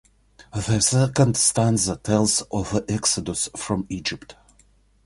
The second stanza tells of the exodus from Egypt.